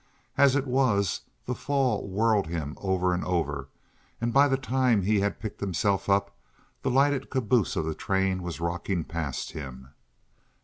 As it was, the fall whirled him over and over, and by the time he had picked himself up the lighted caboose of the train was rocking past him.